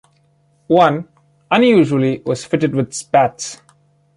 One, unusually, was fitted with spats.